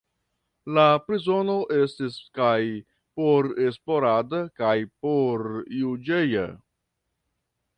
La prizono estis kaj poresplorada kaj porjuĝeja.